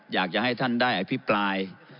อยากจะให้ท่านได้อภิปราย